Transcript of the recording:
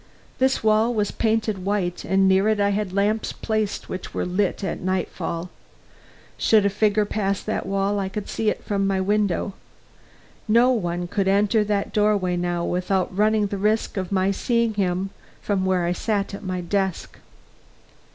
This wall was painted white, and near it I had lamps placed which were lit at nightfall. Should a figure pass that wall I could see it from my window. No one could enter that doorway now, without running the risk of my seeing him from where I sat at my desk.